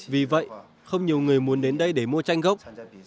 vì vậy không nhiều người muốn đến đây để mua tranh gốc